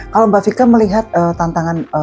kalau mbak fika melihat tantangan